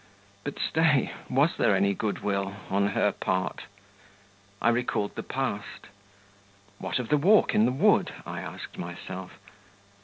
But stay, was there any good will on her part? I recalled the past. 'What of the walk in the wood?' I asked myself.